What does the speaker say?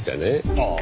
ああ。